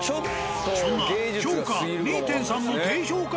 そんな評価２．３の低評価